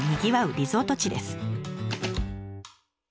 リゾート地です。